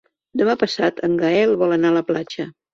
Demà passat en Gaël vol anar a la platja.